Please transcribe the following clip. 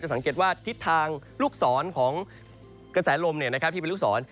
จะสังเกตว่าทิศทางลูกศรของกระแสลมลม